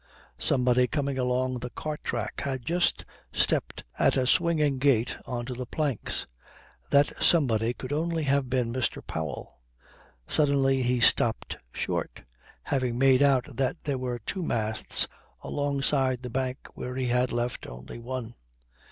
Somebody coming along the cart track had just stepped at a swinging gait on to the planks. That somebody could only have been Mr. Powell. Suddenly he stopped short, having made out that there were two masts alongside the bank where he had left only one.